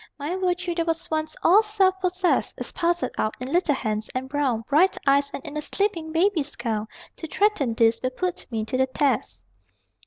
My virtue, that was once all self possessed, Is parceled out in little hands, and brown Bright eyes, and in a sleeping baby's gown: To threaten these will put me to the test.